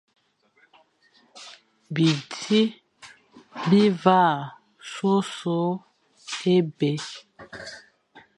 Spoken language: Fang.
Bizi bi vagha so sô é bè,